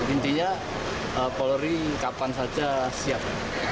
intinya polri kapan saja siap